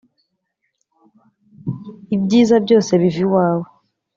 Ibyiza byose biva iwawe